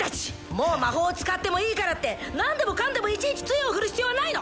もう魔法を使ってもいいからって何でもかんでもいちいち杖を振る必要はないの！